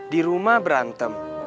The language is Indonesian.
di rumah berantem